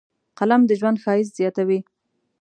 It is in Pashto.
قلم د ژوند ښایست زیاتوي